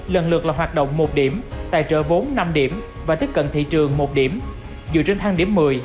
lần lượt là hoạt động một điểm tài trợ vốn năm điểm và tiếp cận thị trường một điểm dựa trên thang điểm một mươi